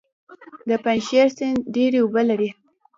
د پنجشیر سیند ډیرې اوبه لري